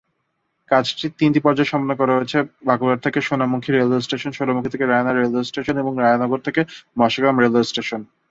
কাজটি তিনটি পর্যায়ে সম্পন্ন করা হয়েছে: বাঁকুড়া-সোনামুখী রেলওয়ে স্টেশন, সোনামুখি-রায়নার রেলওয়ে স্টেশন, এবং রায়নগর-মসাগ্রাম রেলওয়ে স্টেশন।